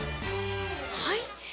はい？